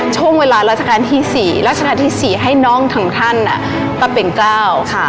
ช่วงเวลาราชการที่๔ราชการที่๔ให้น้องทั้งท่านปรับเป็นก้าว